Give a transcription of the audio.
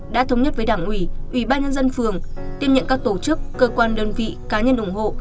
đã thống nhất với đảng ủy ubndtq tiếp nhận các tổ chức cơ quan đơn vị cá nhân ủng hộ